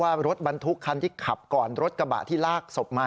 ว่ารถบรรทุกคันที่ขับก่อนรถกระบะที่ลากศพมา